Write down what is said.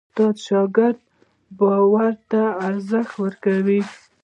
استاد د شاګرد باور ته ارزښت ورکوي.